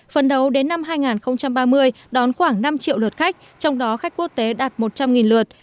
phần đầu đến năm hai nghìn ba mươi đón khoảng năm triệu lượt khách trong đó khách quốc tế đạt một trăm linh lượt